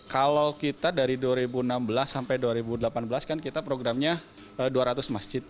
kalau kita dari dua ribu enam belas sampai dua ribu delapan belas kan kita programnya dua ratus masjid